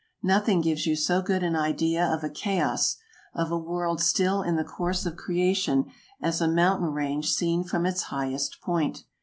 Nothing gives you so good an idea of a chaos, of a world still in the course of creation, as a mountain range seen from its highest point.